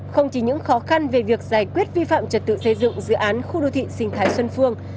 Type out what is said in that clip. không chỉ những khó khăn về việc giải quyết vi phạm trật tự xây dựng dự án khu đô thị sinh thái xuân phương